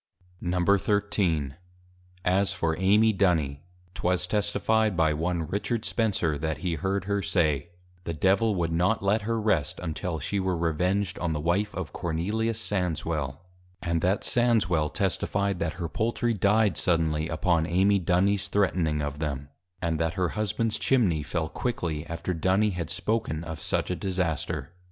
XIII. As for Amy Duny, 'twas Testifi'd by one Richard Spencer that he heard her say, The Devil would not let her Rest; until she were Revenged on the Wife of +Cornelius Sandswel+. And that Sandswel testifi'd, that her Poultry dy'd suddenly, upon Amy Dunys threatning of them; and that her Husbands Chimney fell, quickly after Duny had spoken of such a disaster.